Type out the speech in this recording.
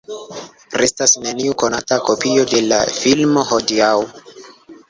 Restas neniu konata kopio de la filmo hodiaŭ.